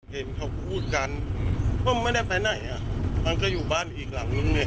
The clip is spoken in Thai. เห็นเขาพูดกันก็ไม่ได้ไปไหนอ่ะมันก็อยู่บ้านอีกหลังนึงเนี่ย